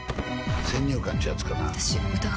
先入観いうやつかな。